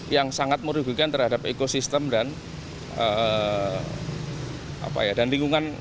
yang sangat merugikan terhadap ekosistem dan lingkungan